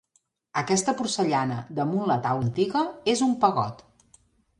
Aquesta porcellana damunt la taula antiga és un pegot.